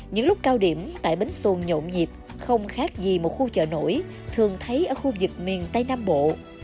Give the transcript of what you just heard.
những lúc cao điểm tại bến xuân nhộn nhịp không khác gì một khu chợ nổi thường thấy ở khu vực miền tây nam bộ